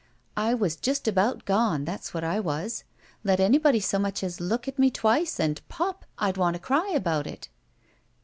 "I was just about gone, that's what I was. Let anybody so much as look at me twice and, pop! I'd want to cry about it."